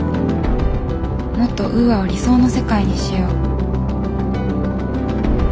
もっとウーアを理想の世界にしよう。